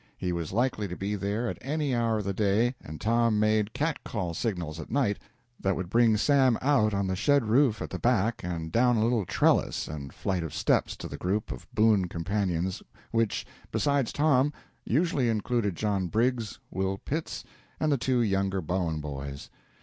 He was likely to be there at any hour of the day, and Tom made cat call signals at night that would bring Sam out on the shed roof at the back and down a little trellis and flight of steps to the group of boon companions, which, besides Tom, usually included John Briggs, Will Pitts, and the two younger Bowen boys.